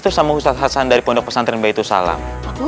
terus sama ustadz hassan dari pondok pesantren baitu salam